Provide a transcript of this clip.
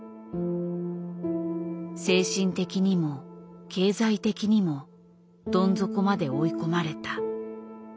精神的にも経済的にもどん底まで追い込まれた。